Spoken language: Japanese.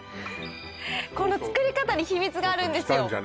この作り方に秘密があるんですよ